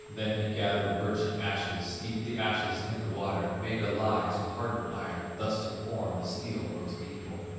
Then he gathered birchen ashes, Steeped the ashes in the water, Made a lye to harden iron, Thus to form the steel most needful.